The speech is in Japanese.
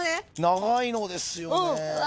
長いのですよね。